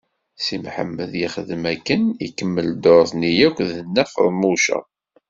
Si Mḥemmed ixdem akken, ikemmel dduṛt-nni akk d Nna Feḍmuca.